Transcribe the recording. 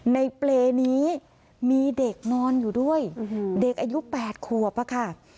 ในเปลี้มีเด็กนอนอยู่ด้วยเด็กอายุแปดควบป่ะค่ะ